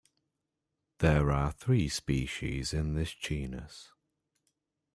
There are three species in this genus.